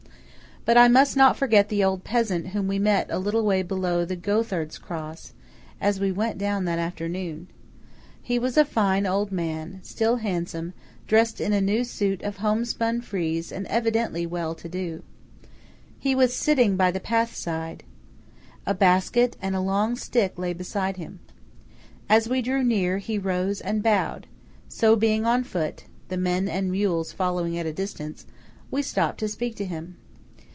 But I must not forget the old peasant whom we met a little way below the goatherd's cross, as we went down that afternoon. He was a fine old man, still handsome, dressed in a new suit of homespun frieze and evidently well to do. He was sitting by the path side. A basket and a long stick lay beside him. As we drew near, he rose and bowed; so being on foot (the men and mules following at a distance) we stopped to speak to him.